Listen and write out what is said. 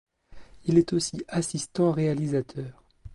Il est aussi assistant réalisateur.